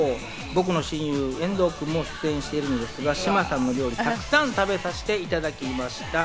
僕の親友・遠藤君も出演しているんですが、志麻さんの料理、たくさん食べさせていただきました。